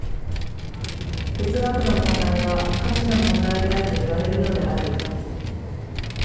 哲学の問題は価値の問題であるといわれるのである。